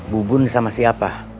bubun sama siapa